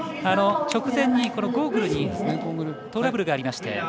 直前にゴーグルにトラブルがありまして。